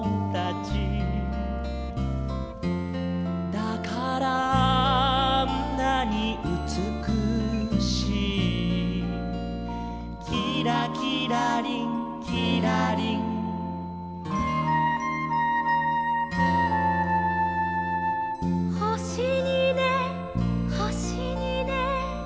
「だからあんなにうつくしい」「キラキラリンキラリン」「ほしにねほしにね」